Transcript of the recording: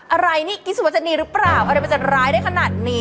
อะไรนี่คิดว่าจะดีหรือเปล่าอะไรมันจะร้ายได้ขนาดนี้